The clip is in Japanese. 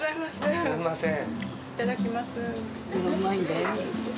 すみません。